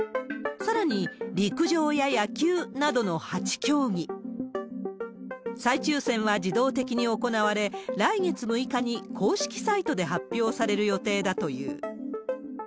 さらに、陸上や野球などの８競技、再抽せんは自動的に行われ、来月６日に公式サイトで発表される予定だという。